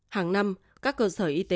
hàng năm các cơ sở y tế đã được phát triển